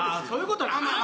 そういうことなん？